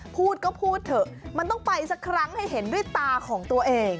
พูดก็พูดเถอะมันต้องไปสักครั้งให้เห็นด้วยตาของตัวเอง